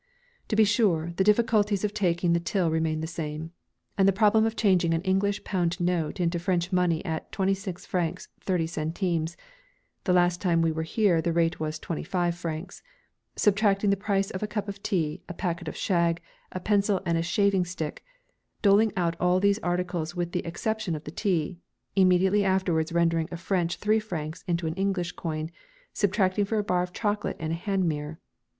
To be sure, the difficulties of taking the till remain the same, and the problem of changing an English pound note into French money at 26 francs 30 centimes the last time we were here the rate was 25 francs subtracting the price of a cup of tea, a packet of shag, a pencil and a shaving stick, doling out all these articles with the exception of the tea; immediately afterwards rendering a French three francs into English coin, subtracting for a bar of chocolate and a hand mirror.